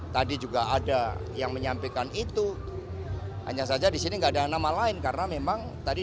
tadi juga ada yang menyampaikan itu hanya saja disini nggak ada nama lain karena memang tadi